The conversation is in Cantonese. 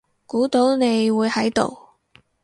估到你會喺度